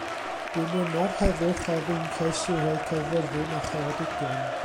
Bu'n ynad heddwch ar feinciau siroedd Caerfyrddin a Cheredigion.